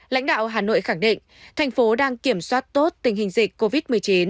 lãnh đạo hà nội khẳng định thành phố đang kiểm soát tốt tình hình dịch covid một mươi chín